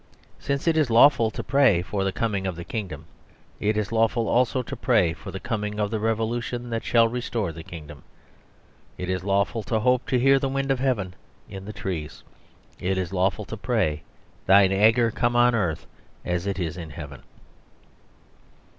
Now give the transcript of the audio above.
Since it is lawful to pray for the coming of the kingdom, it is lawful also to pray for the coming of the revolution that shall restore the kingdom. It is lawful to hope to hear the wind of Heaven in the trees. It is lawful to pray "Thine anger come on earth as it is in Heaven."